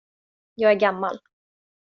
Jag är gammal.